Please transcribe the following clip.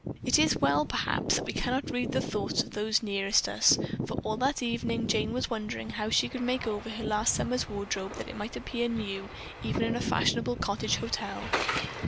It is well, perhaps, that we cannot read the thoughts of those nearest us, for all that evening Jane was wondering how she could make over her last summer's wardrobe that it might appear new even in a fashionable cottage hotel.